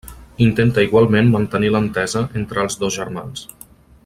Intenta igualment mantenir l'entesa entre els dos germans.